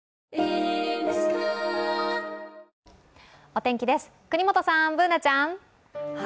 お天気です、國本さん、Ｂｏｏｎａちゃん。